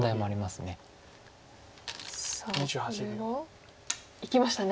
さあこれはいきましたね。